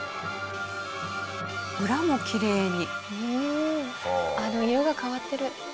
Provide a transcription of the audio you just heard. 裏もきれいに。